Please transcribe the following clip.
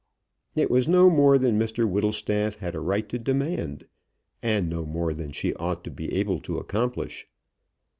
It was no more than Mr Whittlestaff had a right to demand, and no more than she ought to be able to accomplish.